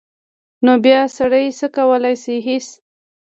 نو بیا سړی څه کولی شي هېڅ.